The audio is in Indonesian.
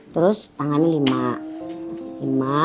terus tangannya lima